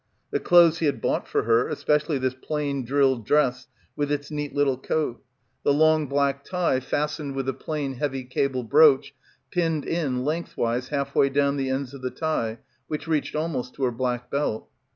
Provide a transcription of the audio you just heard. The clothes he had bought for her, especially this plain drill dress with its neat little coat. The long black tie — 199 — PILGRIMAGE fastened with the plain heavy cable broach pinned in lengthwise half way down the ends of the tie, which reached almost to her black belt.